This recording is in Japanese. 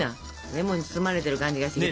レモンに包まれてる感じがしてきた。